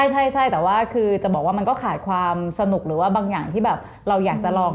ใช่แต่ว่าคือจะบอกว่ามันก็ขาดความสนุกหรือว่าบางอย่างที่แบบเราอยากจะลอง